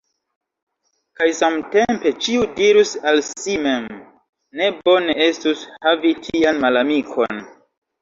Kaj samtempe ĉiu dirus al si mem: ne bone estus havi tian malamikon!